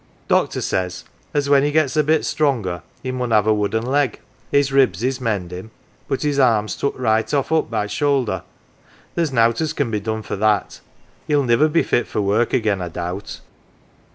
" Doctor says as when he gets a bit stronger he inun have a wooden leg ; his ribs is mendin' but his arm's took right oft' up by the shoulder there" 1 * nowt as can be done for that. Hell niver be fit for work again, I doubt."